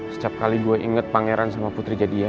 seap kali gue inget pangeran sama putri jadi an